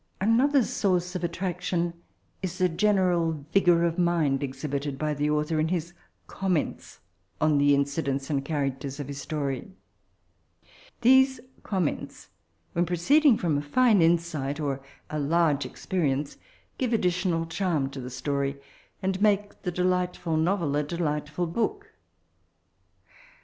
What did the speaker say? Another source of attraction is the general vigour of mind exhibited by Xhe author, in his comments on the incidents and characters of his story ; these comments, when proceeding from a fine insight or a large expe rience, give additional charm to the story, and make the delightful novel a delightftil book.